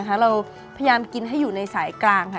เราพยายามกินให้อยู่ในสายกลางค่ะ